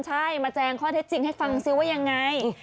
ใช่มาแจงข้อเท็จจริงให้ฟังซิว่ายังไง